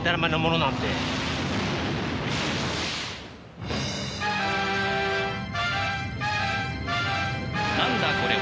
なんだこれは！